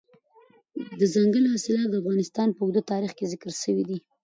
دځنګل حاصلات د افغانستان په اوږده تاریخ کې ذکر شوي دي.